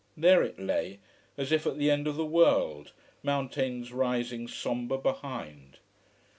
There it lay, as if at the end of the world, mountains rising sombre behind.